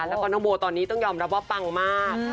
แล้วก็น้องโบตอนนี้ต้องยอมรับว่าปังมาก